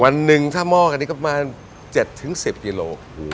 อันนึงถ้ามองต้นอะไรก็มา๗๑๐กิโล